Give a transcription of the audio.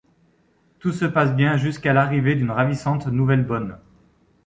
Tout se passe bien jusqu'à l'arrivée d'une ravissante nouvelle bonne.